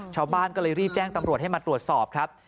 ชาวบ้านก็เลยรีบแจ้งตำรวจให้มาตรวจสอบครับ